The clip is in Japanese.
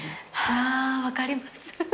あ分かります。